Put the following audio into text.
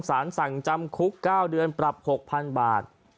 สารสั่งจำคุก๙เดือนปรับ๖๐๐๐บาท